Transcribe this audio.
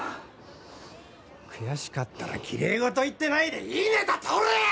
悔しかったらきれい事言ってないでいいネタとれや！